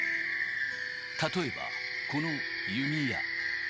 例えば、この弓矢。